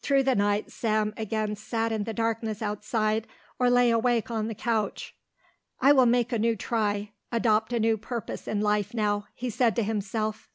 Through the night Sam again sat in the darkness outside or lay awake on the couch. "I will make a new try, adopt a new purpose in life now," he said to himself.